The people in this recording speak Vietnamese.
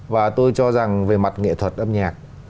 và tôi cho rằng về mặt nghệ thuật âm nhạc